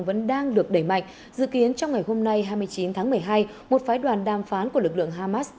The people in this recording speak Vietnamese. vẫn đang được đẩy mạnh dự kiến trong ngày hôm nay hai mươi chín tháng một mươi hai một phái đoàn đàm phán của lực lượng hamas